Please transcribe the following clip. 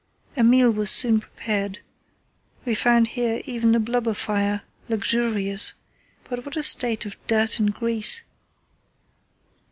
A meal was soon prepared. We found here even a blubber fire, luxurious, but what a state of dirt and grease!